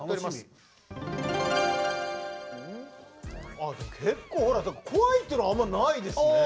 あ結構でも怖いっていうのはあんまりないですね。